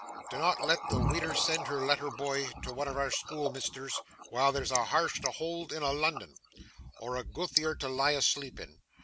Dinnot let the weedur send her lattle boy to yan o' our school measthers, while there's a harse to hoold in a' Lunnun, or a gootther to lie asleep in.